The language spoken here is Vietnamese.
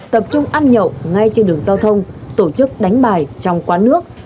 tập trung ăn nhậu ngay trên đường giao thông tổ chức đánh bài trong quán nước